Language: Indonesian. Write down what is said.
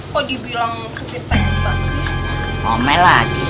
kok dibilang sedih teknik banget sih